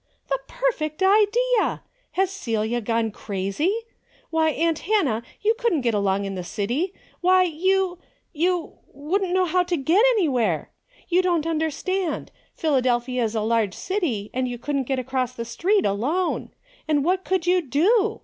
" The perfect idea I Has Celia gone crazy ? Why aunt Hannah you couldn't get along in the city. Why, you — 112 A DAILY BATE.'* you — wouldn't know how to get anywhere. You don't understand. Philadelphia is a large city and you couldn't get across the street alone. And what could you do